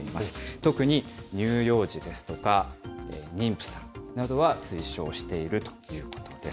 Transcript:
特に乳幼児ですとか、妊婦さんなどは強く推奨しているということです。